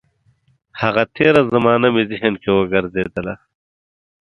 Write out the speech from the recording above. هغه تېره زمانه مې ذهن کې وګرځېدله.